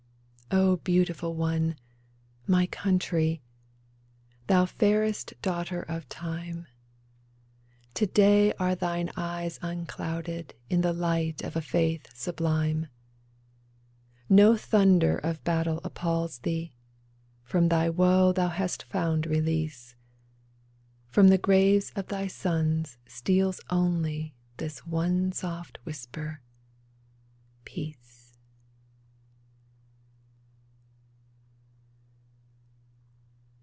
O beautiful one, my Country, Thou fairest daughter of Time, To day are thine eyes unclouded In the light of a faith sublime ! No thunder of battle appals thee; From thy woe thou hast found release ; From the graves of thy sons steals only This one soft whisper, —'' Peace